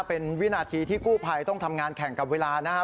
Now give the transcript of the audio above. เป็นวินาทีที่กู้ภัยต้องทำงานแข่งกับเวลานะครับ